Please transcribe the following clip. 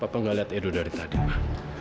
papa gak lihat edo dari tadi ma